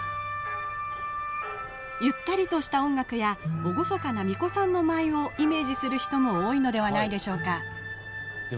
ゆったりとした音楽や厳かな、巫女さんの舞をイメージする人も多いのではないでしょうか。